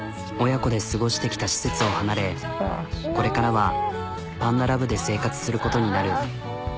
親子で過ごしてきた施設を離れこれからはＰＡＮＤＡＬＯＶＥで生活することになる。